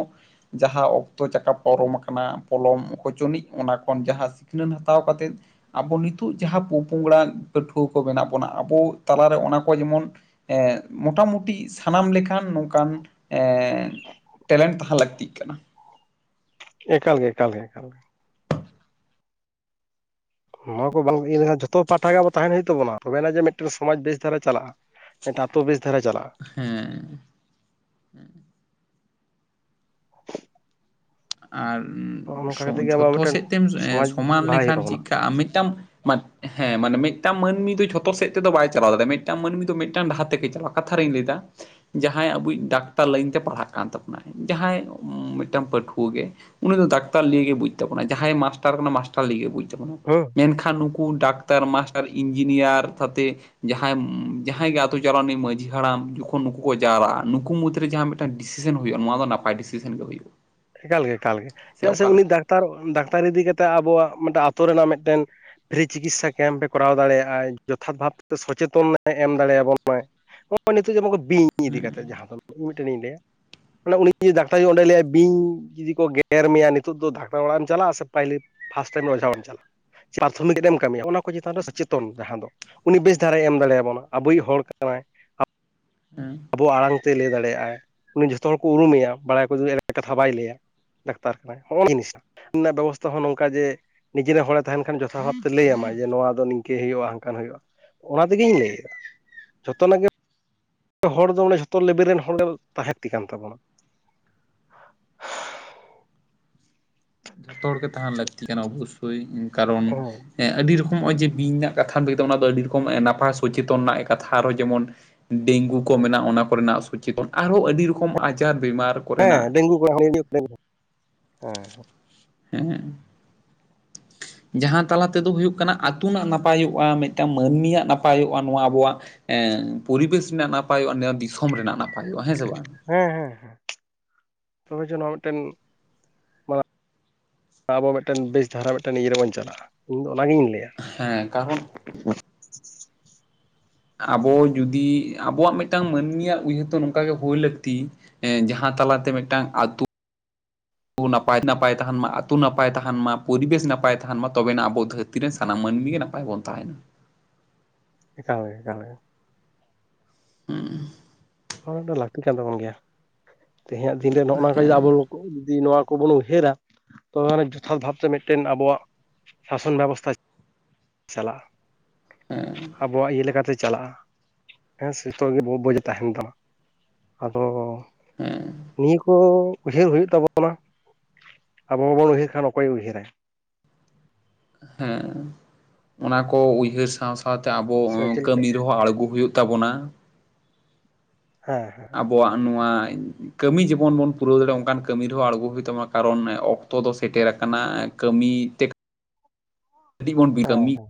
ᱡᱟᱦᱟᱸ ᱚᱠᱛᱚ ᱪᱟᱠᱟ ᱯᱟᱨᱚᱢ ᱟᱠᱟᱱᱟ ᱯᱚᱞᱚᱢ ᱚᱠᱚᱪᱚᱱᱤᱡ ᱚᱱᱟ ᱠᱷᱚᱱ ᱡᱟᱦᱟᱸ ᱥᱤᱠᱷᱱᱟᱹᱛ ᱦᱟᱛᱟᱣ ᱠᱟᱛᱮᱫ ᱟᱵᱚ ᱱᱤᱛᱚᱜ ᱡᱟᱦᱟᱸ ᱯᱚ ᱯᱚᱝᱲᱟ ᱯᱟᱹᱴᱷᱩᱣᱟᱹ ᱠᱚ ᱢᱮᱱᱟᱜ ᱵᱚᱱᱟ ᱟᱵᱚ ᱛᱟᱞᱟᱨᱮ ᱚᱱᱟ ᱠᱚ ᱡᱮᱢᱚᱱ ᱮᱸᱫ ᱢᱳᱴᱟᱢᱩᱴᱤ ᱥᱟᱱᱟᱢ ᱞᱮᱠᱟᱱ ᱱᱚᱝᱠᱟᱱ ᱮᱸᱻ ᱴᱮᱞᱮᱱᱴ ᱛᱟᱦᱮᱸ ᱞᱟᱹᱠᱛᱤᱜ ᱠᱟᱱᱟ ᱾ ᱮᱠᱟᱞ ᱜᱮ ᱮᱠᱟᱞ ᱜᱮ ᱮᱠᱟᱞ ᱜᱮ ᱾ ᱱᱚᱣᱟ ᱠᱚ ᱵᱟᱝ ᱤᱭᱟᱹ ᱞᱮᱠᱷᱟᱱ ᱡᱚᱛᱚ ᱯᱟᱦᱴᱟ ᱜᱮ ᱟᱵᱚ ᱛᱟᱦᱮᱱ ᱦᱩᱭᱩᱜ ᱛᱟᱵᱚᱱᱟ ᱾ ᱛᱚᱵᱮᱭᱟᱱᱟᱜ ᱡᱮ ᱢᱤᱫᱴᱟᱝ ᱥᱚᱢᱟᱡᱽ ᱵᱮᱥ ᱫᱷᱟᱨᱟ ᱪᱟᱞᱟᱜᱼᱟ, ᱢᱤᱫᱴᱟᱝ ᱟᱛᱳ ᱵᱮᱥ ᱫᱷᱟᱨᱟ ᱪᱟᱞᱟᱜᱼᱟ ᱾ ᱦᱮᱸ ᱦᱮᱸ᱾ [inaudible] ᱟᱨ ᱱᱚᱜᱼᱚ ᱱᱚᱝᱠᱟ ᱥᱚ ᱠᱟᱛᱮ ᱜᱮ ᱟᱵᱚᱣᱟᱜ ᱡᱷᱚᱛᱚ ᱢᱤᱫᱴᱮᱱ ᱥᱮᱫ ᱛᱮᱢ ᱥᱚᱢᱟᱡᱽ ᱥᱚᱢᱟᱱ ᱞᱟᱦᱟᱭ ᱦᱩᱭᱩᱜ ᱞᱮᱠᱷᱟᱱ ᱛᱟᱵᱚᱱᱟ ᱪᱮᱫ ᱠᱟᱜᱼᱟᱢ ᱢᱤᱫᱴᱟᱝ ᱦᱮᱸ ᱢᱟᱱᱮ ᱢᱤᱫᱴᱟᱝ ᱢᱟᱹᱱᱢᱤ ᱫᱚ ᱡᱷᱚᱛᱚ ᱥᱮᱫ ᱛᱮᱫ ᱵᱟᱭ ᱪᱟᱞᱟᱣ ᱫᱟᱲᱮᱭᱟᱜᱼᱟ, ᱢᱤᱫᱴᱟᱝ ᱢᱟᱹᱱᱢᱤ ᱫᱚ ᱢᱤᱫᱴᱟᱝ ᱰᱟᱦᱟᱨ ᱛᱮᱜᱮ ᱪᱟᱞᱟᱣ ᱠᱟᱛᱷᱟ ᱨᱤᱧ ᱞᱟᱹᱭᱮᱫᱟ, ᱡᱟᱦᱟᱸᱭ ᱟᱵᱚᱭᱤᱡ ᱰᱟᱠᱛᱟᱨ ᱞᱟᱹᱭᱤᱱ ᱛᱮ ᱯᱟᱲᱦᱟᱜ ᱠᱟᱱ ᱛᱟᱵᱚᱱᱟᱭ ᱡᱟᱦᱟᱸᱭ ᱢᱤᱫᱴᱟᱝ ᱯᱟᱹᱴᱷᱩᱣᱟᱹ ᱠᱩ ᱜᱮ ᱩᱱᱤ ᱫᱚ ᱰᱟᱠᱛᱟᱨ ᱱᱤᱭᱮ ᱜᱮ ᱵᱩᱡ ᱛᱟᱵᱚᱱᱟ ᱡᱟᱦᱟᱸᱭ ᱢᱟᱥᱴᱟᱨ ᱠᱟᱱᱟᱭ ᱢᱟᱥ [unintelligible] ᱛᱟᱵᱚᱱᱟ ᱦᱮᱸ ᱢᱮᱱᱠᱷᱟᱱ ᱱᱩᱠᱩ ᱰᱟᱠᱛᱟᱨ ᱢᱟᱥᱴᱟᱨ ᱤᱧᱡᱤᱱᱤᱭᱟᱨ ᱟᱛᱮ ᱡᱟᱦᱟᱸᱭ ᱡᱟᱦᱟᱸᱭ ᱜᱮ ᱟᱛᱳ ᱪᱟᱞᱟᱣᱮᱱᱤᱡ ᱢᱟᱹᱡᱷᱤ ᱦᱟᱲᱟᱢ ᱡᱚᱠᱷᱚᱱ ᱱᱩᱠᱩ ᱠᱚ ᱡᱟᱣᱨᱟᱜᱼᱟ ᱱᱩᱠᱩ ᱢᱩᱫᱽᱨᱮ ᱡᱟᱦᱟ ᱢᱤᱫᱴᱟᱝ ᱰᱤᱥᱤᱥᱮᱱ ᱦᱩᱭᱩᱜᱼᱟ ᱱᱚᱣᱟ ᱫᱚ ᱱᱟᱯᱟᱭ ᱰᱤᱥᱤᱥᱮᱱ ᱜᱮ ᱦᱩᱭᱩᱜᱼᱟ᱾ ᱮᱠᱟᱞ ᱜᱮ ᱮᱠᱟᱞᱜᱮ, ᱪᱮᱫᱟᱜ ᱚᱠᱟ ᱥᱮ ᱞᱮᱠᱟ ᱩᱱᱤ ᱰᱟᱠᱛᱟᱨ ᱰᱟᱠᱛᱟᱨ ᱤᱫᱤ ᱠᱟᱛᱮᱫ ᱟᱵᱚᱣᱟᱜ ᱢᱤᱫᱴᱮᱱ ᱟᱛᱳ ᱨᱮᱱᱟᱜ ᱢᱤᱫᱴᱮᱱ ᱯᱷᱤᱨᱤ ᱪᱤᱠᱤᱛᱥᱟ ᱠᱮᱢᱯᱮ ᱠᱚᱨᱟᱣ ᱫᱟᱲᱮᱭᱟᱜᱼᱟ, ᱡᱚᱛᱷᱟᱛ ᱵᱷᱟᱵᱛᱮ ᱥᱚᱪᱮᱛᱚᱱᱮ ᱮᱢ ᱫᱟᱲᱮ ᱟᱵᱚᱱ ᱟᱭ, [inaudible] ᱱᱤᱛᱚᱜ ᱡᱮᱢᱚᱱ ᱵᱤᱧ ᱤᱫᱤ ᱦᱮᱸ ᱠᱟᱛᱮ ᱡᱟᱦᱟᱸ ᱫᱚ ᱤᱧ ᱢᱤᱫᱴᱮᱱᱤᱧ ᱞᱟᱹᱭᱟ ᱢᱟᱱᱮ ᱩᱱᱤ ᱰᱟᱠᱛᱟᱨ ᱚᱸᱰᱮ ᱞᱟᱹᱭᱟ ᱵᱤᱧ ᱡᱩᱫᱤ ᱠᱚ ᱜᱮᱨ ᱢᱮᱭᱟ ᱱᱤᱛᱚᱜ ᱫᱚ ᱰᱟᱠᱴᱟᱨ ᱚᱲᱟᱜ ᱮᱢ ᱪᱟᱞᱟᱜᱼᱟ ᱥᱮ ᱯᱭᱞᱳ ᱯᱷᱟᱥᱴᱮ ᱴᱟᱭᱤᱢ ᱚᱡᱷᱟ ᱮᱢ ᱪᱟᱞᱟᱜᱼᱟ? ᱯᱨᱟᱛᱷᱚᱢᱤᱠ ᱨᱮᱢ ᱠᱟᱹᱢᱤᱭᱟ ᱚᱱᱟ ᱩᱱᱠᱩ ᱪᱮᱛᱟᱱ ᱨᱮ ᱥᱚᱪᱮᱛᱚᱱ ᱡᱟᱦᱟᱸ ᱫᱚ ᱩᱱᱤ ᱵᱮᱥ ᱫᱷᱟᱨᱮ ᱮᱢ ᱫᱟᱲᱮᱭᱟᱵᱚᱱᱟ, ᱟᱵᱚᱭᱤᱡ ᱦᱚᱲ ᱠᱟᱱᱟᱭ᱾ ᱦᱮᱸ᱾ ᱟᱵᱚᱣᱟᱜ ᱟᱲᱟᱝ ᱛᱮᱭ ᱞᱟᱹᱭ ᱫᱟᱲᱮᱭᱟᱜ ᱟᱭ, ᱩᱱᱤ ᱡᱷᱚᱛᱚ ᱦᱚᱲ ᱠᱚ ᱩᱨᱩᱢᱮᱭᱟ, ᱵᱟᱲᱟᱭ ᱠᱚ ᱡᱩᱫᱤ ᱮᱲᱮ ᱠᱟᱛᱷᱟ ᱵᱟᱭ ᱞᱟᱹᱭᱟ᱾ ᱰᱟᱠᱛᱟᱨ ᱠᱟᱱᱟᱭ ᱦᱚᱜᱼ ᱡᱤᱱᱤᱥᱴᱟ ᱨᱮᱱᱟᱜ ᱵᱮᱵᱚᱥᱛᱷᱟ ᱦᱚᱸ ᱱᱚᱝᱠᱟ ᱡᱮ ᱱᱤᱡᱮᱨ ᱦᱚᱲᱮ ᱛᱟᱦᱮᱱ ᱠᱷᱟᱱ ᱡᱚᱛᱷᱟ ᱵᱷᱟᱵᱛᱮ ᱞᱟᱹᱭᱟᱢᱟᱭ ᱡᱮ ᱱᱚᱣᱟ ᱫᱚ ᱱᱤᱝᱠᱟᱹ ᱦᱩᱭᱩᱜᱼᱟ ᱦᱟᱱᱠᱟᱱ ᱦᱩᱭᱩᱜᱼᱟ᱾ ᱚᱱᱟ ᱛᱮᱜᱮ [unintelligible] ᱦᱚᱲ ᱫᱚ ᱡᱷᱚᱛ ᱞᱮᱵᱮᱞ ᱨᱮᱱ ᱦᱚᱲ ᱞᱮ ᱛᱟᱦᱮᱸ ᱞᱟᱹᱠᱛᱤ ᱠᱟᱱ ᱛᱟᱵᱚᱱᱟ᱾ ᱡᱷᱚᱛᱚ ᱦᱚᱲᱜᱮ ᱛᱟᱦᱮᱱ ᱞᱟᱹᱠᱛᱤ ᱠᱟᱱᱟ ᱚᱵᱚᱥᱳᱭ, ᱠᱟᱨᱚᱱ ᱦᱮᱸ ᱟᱹᱰᱤ ᱨᱚᱠᱚᱢ ᱱᱚᱜᱼᱚᱭ ᱡᱮ ᱵᱤᱧ ᱨᱮᱱᱟᱜ ᱠᱟᱛᱷᱟ ᱞᱟᱹᱭ ᱫᱚ, ᱚᱱᱟ ᱫᱚ ᱟᱹᱰᱤ ᱨᱚᱠᱚᱢ ᱱᱟᱯᱟᱭ ᱥᱚᱪᱮᱛᱚᱱ ᱨᱮᱱᱟᱜ ᱠᱟᱛᱷᱟ, ᱟᱨᱦᱚᱸ ᱡᱮᱢᱚᱱ ᱰᱮᱝᱜᱩ ᱠᱚ ᱢᱮᱱᱟᱜᱼᱟ ᱚᱱᱟ ᱠᱚᱨᱮᱱᱟᱜ ᱥᱚᱪᱮᱛᱚᱱ, ᱟᱨᱦᱚᱸ ᱟᱹᱰᱤ ᱨᱚᱠᱚᱢ ᱟᱡᱟᱨ ᱵᱤᱢᱟᱨ ᱠᱚᱨᱮᱱᱟᱜ ᱦᱮᱸ ᱰᱮᱝᱜᱩ [unintelligible] ᱦᱮᱸ᱾ ᱦᱮᱸ᱾ ᱡᱟᱦᱟᱸ ᱛᱟᱞᱟ ᱛᱮᱫᱚ ᱦᱩᱭᱩᱜ ᱠᱟᱱᱟ ᱟᱹᱛᱩ ᱱᱟᱜ ᱱᱟᱯᱟᱭᱚᱜᱼᱟ ᱢᱤᱫᱴᱟᱱ ᱢᱟᱹᱱᱢᱤᱭᱟᱜ ᱱᱟᱯᱟᱭᱚᱜᱼᱟ ᱱᱚᱣᱟ ᱟᱵᱚᱣᱟᱜ ᱮᱸ ᱯᱚᱨᱤᱵᱮᱥ ᱨᱮᱱᱟᱜ ᱱᱟᱯᱟᱭᱚᱜᱼᱟ ᱱᱚᱣᱟ ᱫᱤᱥᱚᱢ ᱨᱮᱱᱟᱜ ᱱᱟᱯᱟᱭᱚᱜᱼᱟ, ᱦᱮᱸ ᱥᱮ ᱵᱟᱝ? ᱦᱮᱸ ᱦᱮᱸ ᱦᱮᱸ᱾ ᱛᱚᱵᱮ ᱡ ᱱᱚᱣᱟ ᱢᱤᱫᱴᱮᱱ ᱱᱚᱣᱟ ᱟᱵᱚ ᱢᱤᱫᱴᱮᱱ ᱵᱮᱥ ᱫᱷᱟᱨᱟ ᱢᱤᱫᱴᱮᱱ ᱤᱭᱟᱹ ᱨᱮᱵᱚᱱ ᱪᱟᱞᱟᱜᱼᱟ ᱤᱧᱫᱚ ᱚᱱᱟᱜᱤᱧ ᱞᱟᱹᱭᱟ᱾ ᱦᱮᱸ ᱠᱟᱨᱚᱱ [inaudible] [inaudible] ᱟᱵᱚ ᱡᱩᱫᱤ ᱟᱵᱚᱣᱟᱜ ᱢᱤᱫᱴᱟᱝ ᱢᱟᱹᱱᱢᱤᱭᱟᱜ ᱩᱭᱦᱟᱹᱨ ᱛᱚ ᱱᱚᱝᱠᱟᱜᱮ ᱦᱩᱭ ᱞᱟᱹᱠᱛᱤ᱾ ᱡᱟᱦᱟᱸ ᱛᱟᱞᱟᱛᱮ ᱢᱤᱫᱴᱟᱝ ᱟᱛᱩ ᱱᱟᱯᱟᱭ ᱱᱟᱯᱟᱭ ᱛᱟᱦᱮᱱ ᱢᱟ ᱟᱛᱩ ᱱᱟᱯᱟᱭ ᱛᱟᱦᱮᱱ ᱢᱟ, ᱯᱚᱨᱤᱵᱮᱥ ᱱᱟᱯᱟᱭ ᱛᱟᱦᱮᱱ ᱢᱟ ᱛᱚᱵᱮᱱᱟᱜ ᱟᱵᱚ ᱫᱷᱟᱹᱨᱛᱤ ᱛᱤᱨᱮ ᱥᱟᱱᱟᱢ ᱢᱟᱹᱱᱢᱤ ᱜᱮ ᱱᱟᱯᱟᱭ ᱵᱚᱱ ᱛᱟᱦᱮᱱ᱾ ᱮᱠᱟᱞ ᱮᱠᱟᱞ ᱮ ᱦᱮᱸ᱾ ᱱᱚᱣᱟ ᱢᱤᱫᱴᱟᱝ ᱞᱟᱹᱠᱛᱤ ᱠᱟᱱ ᱛᱟᱵᱚᱱ ᱜᱮᱭᱟ ᱛᱮᱦᱮᱧᱟᱜ ᱫᱤᱱᱨᱮ ᱱᱚᱜᱚᱭ ᱱᱚᱝᱠᱟ ᱡᱤ ᱦᱮᱸ ᱟᱵᱚᱼᱼ ᱦᱟᱹᱭ ᱡᱩᱫᱤ ᱱᱚᱣᱟ ᱠᱚᱵᱚᱱ ᱩᱭᱦᱟᱹᱨᱟ ᱛᱚ ᱡᱚᱛᱷᱟᱛ ᱵᱷᱟᱵᱛᱮ ᱢᱮᱫᱴᱮᱱ ᱟᱵᱚᱣᱟᱜ ᱥᱟᱥᱚᱱ ᱵᱮᱵᱚᱥᱛᱷᱟ ᱪᱟᱞᱟᱜᱼᱟ᱾ ᱦᱮᱸ᱾ ᱟᱵᱚᱣᱟᱜ ᱤᱭᱟᱹ ᱞᱮᱠᱟᱛᱮ ᱪᱟᱞᱟᱜᱼᱟ ᱦᱮᱸ ᱥᱮ ᱡᱚᱛᱚ‌ ᱜᱮ ᱵᱩᱡᱮ ᱛᱟᱦᱮᱱ ᱛᱟᱢᱟ᱾ ᱟᱫᱚ ᱦᱮᱸ ᱱᱤᱭᱟᱹ ᱠᱚ ᱩᱭᱦᱟᱹᱨ ᱦᱩᱭᱩᱜ ᱛᱟᱵᱚᱱᱟ, ᱟᱵᱚ ᱵᱟᱵᱚᱱ ᱩᱭᱦᱟᱹᱨ ᱠᱷᱟᱱ ᱚᱠᱚᱭᱮ ᱩᱭᱦᱟᱹᱨᱟ᱾ ᱦᱮᱸ ᱚᱱᱟ ᱠᱚ ᱩᱭᱦᱟᱹᱨ ᱥᱟᱶ ᱥᱟᱶ ᱥᱟᱶᱛᱮ ᱟᱵᱚ ᱥᱮ ᱦᱚᱸ ᱪᱮᱫ ᱞᱮᱠᱟ ᱠᱟᱹᱢᱤ ᱨᱮᱦᱚᱸ ᱟᱬᱜᱳ ᱦᱩᱭᱩᱜ ᱛᱟᱵᱚᱱᱟ᱾ ᱦᱮᱸ ᱦᱮᱸ ᱟᱵᱚᱣᱟᱜ ᱱᱚᱣᱟ ᱠᱟᱹᱢᱤ ᱡᱮᱵᱚᱱ ᱵᱚᱱ ᱯᱩᱨᱟᱹᱣ ᱫᱟᱲᱮᱭᱟᱜᱼᱟ ᱚᱝᱠᱟᱱ ᱠᱟᱹᱢᱤ ᱨᱮᱦᱚᱸ ᱟᱬᱜᱳ ᱦᱩᱭᱩᱜ ᱛᱟᱵᱚᱱᱟ ᱠᱟᱨᱚᱱ ᱚᱠᱛᱚ ᱫᱚ ᱥᱮᱴᱮᱨᱟᱠᱟᱱᱟ ᱠᱟᱹᱢᱤ [unintelligible] ᱦᱮᱸ ᱠᱟᱹᱢᱤ